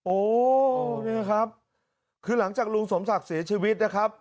โอ้นี่ครับคือหลังจากลุงสมศักดิ์เสียชีวิตนะครับ